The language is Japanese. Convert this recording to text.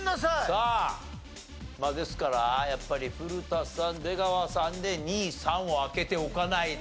さあまあですからやっぱり古田さん出川さんで２３を開けておかないと。